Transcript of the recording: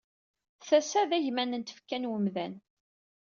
Tasa d agman n tfekka n wemdan.